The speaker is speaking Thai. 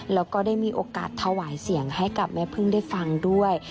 แล้วก็ได้มีโอกาสถวายเสียงให้กับแม่พึ่งได้ฟังด้วย